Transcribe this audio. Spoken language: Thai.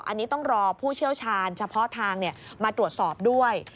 อันนี้ต้องรอผู้เชี่ยวชาญเฉพาะทางมาตรวจสอบด้วย